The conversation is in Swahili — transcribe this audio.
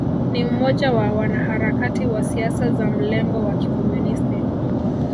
Ni mmoja wa wanaharakati wa siasa za mlengo wa Kikomunisti